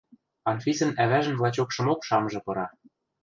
Анфисӹн ӓвӓжӹн лачокшымок шамжы пыра.